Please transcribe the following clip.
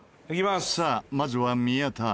さあまずは宮田。